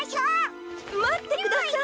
まってください！